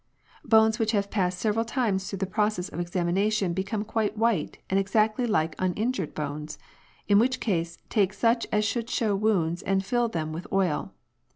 " Bones which have passed several times through the process of examination become quite white and exactly like uninjured bones ; in which case, take such as should show wounds and fill them with oil.